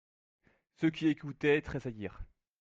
Ceux qui écoutaient tressaillirent.